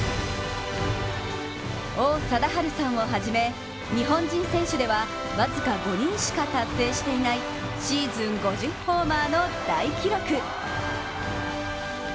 王貞治さんをはじめ、日本人選手では僅か５人しか達成していないシーズン５０ホーマーの大記録。